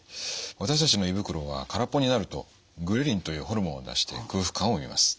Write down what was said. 私たちの胃袋は空っぽになるとグレリンというホルモンを出して空腹感を生みます。